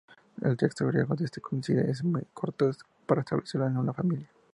El texto griego de este códice es muy corto para establecerlo en una familia.